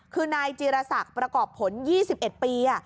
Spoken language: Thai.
คือนายจีรศักดิ์ประกอบผล๒๑ปี